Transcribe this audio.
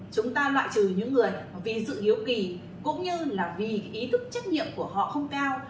chúng ta loại trừ những người vì sự hiếu kỳ cũng như là vì ý thức trách nhiệm của họ không cao